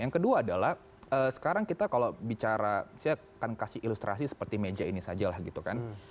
yang kedua adalah sekarang kita kalau bicara saya akan kasih ilustrasi seperti meja ini saja lah gitu kan